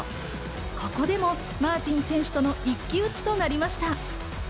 ここでもマーティン選手との一騎打ちとなりました。